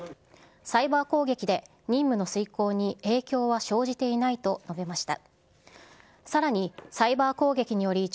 サイバー攻撃で任務の遂行に影響は生じていないと述べました。